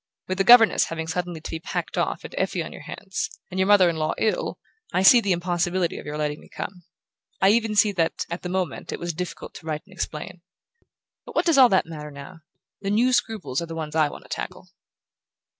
With the governess having suddenly to be packed off, and Effie on your hands, and your mother in law ill, I see the impossibility of your letting me come. I even see that, at the moment, it was difficult to write and explain. But what does all that matter now? The new scruples are the ones I want to tackle."